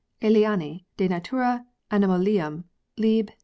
Aeliani de Natura Animalium lib.